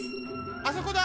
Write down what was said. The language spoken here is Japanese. あそこだ！